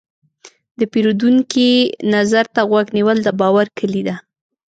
د پیرودونکي نظر ته غوږ نیول، د باور کلي ده.